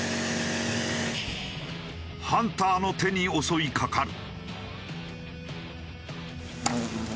ハンターの手に襲いかかる。